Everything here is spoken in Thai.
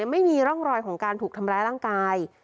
ไม่มีร่องรอยของการถูกทำร้ายร่างกาย